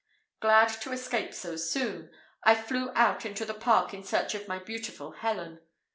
Glad to escape so soon, I flew out into the park in search of my beautiful Helen.